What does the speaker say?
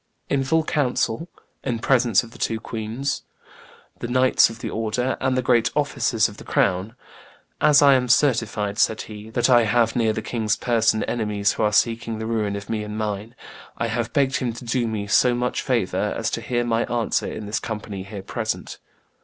"in full council, in presence of the two queens, the knights of the order, and the great officers of the crown. 'As I am certified,' said he, 'that I have near the king's person enemies who are seeking the ruin of me and mine, I have begged him to do me so much favor as to hear my answer in this company here present.